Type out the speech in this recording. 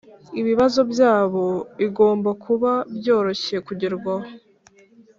ibibazo byabo igomba kuba byoroshye kugerwaho